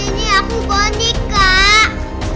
ini aku bonny kak